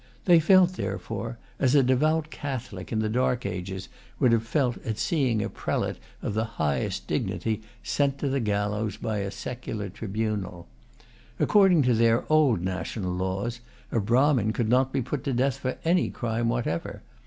They felt, therefore, as a devout Catholic in the dark ages would have felt at seeing a prelate of the highest dignity sent[Pg 155] to the gallows by a secular tribunal. According to their old national laws, a Brahmin could not be put to death for any crime whatever.